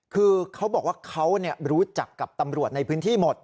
คือเขาบอกว่าเขารู้จักกับตำรวจในพื้นที่หมด